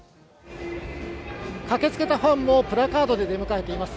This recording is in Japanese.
駆けつけたファンもプラカードで出迎えています。